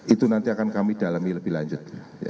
itu nanti akan kami dalami lebih lanjut